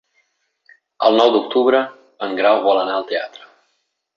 El nou d'octubre en Grau vol anar al teatre.